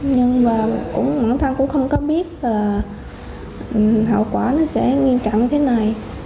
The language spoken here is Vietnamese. nhưng mà bản thân cũng không có biết là hậu quả nó sẽ nghiêm trọng như thế này